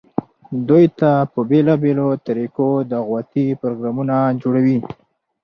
دوي ته په بيلابيلو طريقودعوتي پروګرامونه جوړووي،